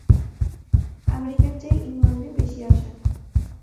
আমেরিকার চেয়ে ইংলণ্ডে বেশী আশা।